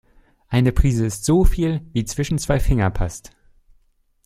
Eine Prise ist so viel, wie zwischen zwei Finger passt.